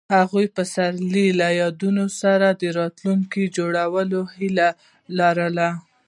هغوی د پسرلی له یادونو سره راتلونکی جوړولو هیله لرله.